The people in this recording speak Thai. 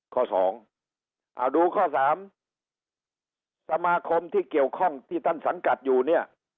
ข้อสองอ่าดูข้อ๓สมาคมที่เกี่ยวข้องที่ท่านสังกัดอยู่เนี่ย